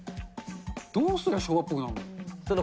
どうすれば昭和っぽくなるのかな。